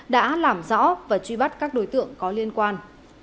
đã làm rõ và truy bắt các đối tượng có liên quan